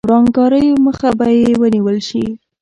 ورانکاریو مخه به یې ونیول شي.